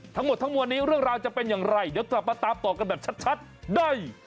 ทั้งหมดทั้งมวลนี้เรื่องราวจะเป็นอย่างไรเดี๋ยวกลับมาตามต่อกันแบบชัดได้